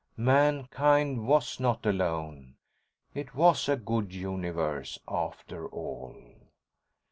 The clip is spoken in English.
Mankind was not alone. It was a good universe after all!